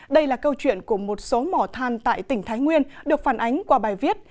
đây là câu chuyện của một số mỏ than tại tỉnh thái nguyên được phản ánh qua bài viết